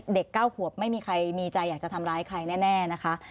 เด็ก๙ขวบไม่มีใจจะทำร้ายใครแน่นะคะ